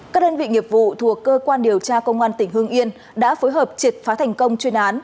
các đơn vị nghiệp vụ thuộc cơ quan điều tra công an tỉnh hương yên đã phối hợp triệt phá thành công chuyên án